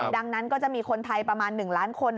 ดังนั้นก็จะมีคนไทยประมาณ๑ล้านคน